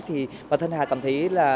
thì bà thân hà cảm thấy rất là hạnh phúc